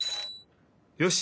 よし！